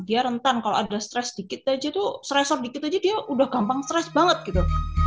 dia rentan kalau ada stres dikit aja tuh stresor dikit aja dia udah gampang stres banget gitu